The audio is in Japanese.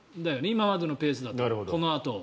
今までのペースだと、このあと。